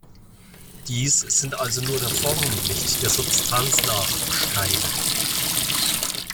Dies sind also nur der Form, nicht der Substanz nach „Steine“.